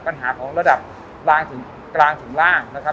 ปัญหาของระดับลางถึงกลางถึงล่างนะครับ